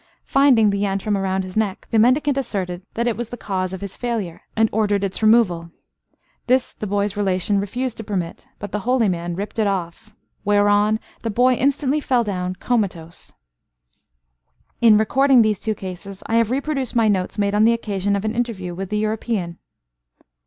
Finding the yantram round his neck, the mendicant asserted that it was the cause of his failure, and ordered its removal. This the boy's relations refused to permit. But the holy man ripped it off. Whereon the boy instantly fell down comatose. In recording these two cases, I have reproduced my notes made on the occasion of an interview with the European.